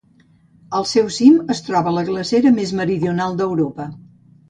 Al seu cim es troba la glacera més meridional d'Europa.